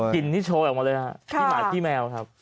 กลิ่นนี่โชว์ออกมาเลยครับขี้หมาขี้แมวครับ